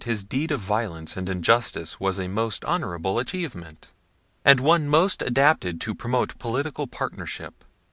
2 5 deed of violence and injustice was a most honourable achievement, and one most adapted to promote political partnership.